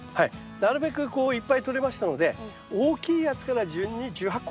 なるべくこういっぱいとれましたので大きいやつから順に１８個。